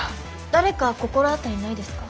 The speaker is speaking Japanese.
誰か心当たりないですか？